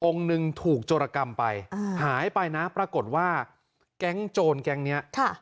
หนึ่งถูกโจรกรรมไปหายไปนะปรากฏว่าแก๊งโจรแก๊งนี้